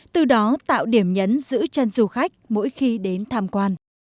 từ đó tạo điểm nhấn giữ chân du khách mỗi khi đến tham quan